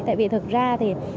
tại vì thực ra thì